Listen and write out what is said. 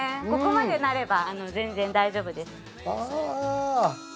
ここまでなれば全然大丈夫です。